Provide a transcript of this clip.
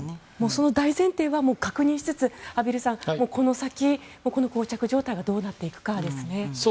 その大前提は確認しつつこの先、このこう着状態はどうなっていくかですね。